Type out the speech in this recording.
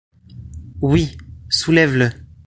Oui, soulève-le.